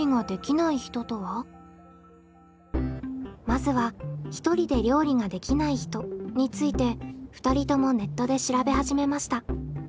まずはひとりで料理ができない人について２人ともネットで調べ始めました。